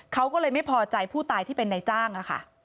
เขาก็เลยไม่พอใจผู้ตายที่เป็นนายจ้างอะค่ะ